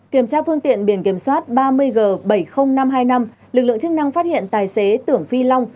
kiểm tra phương tiện biển kiểm soát ba mươi g bảy mươi nghìn năm trăm hai mươi năm lực lượng chức năng phát hiện tài xế tưởng phi long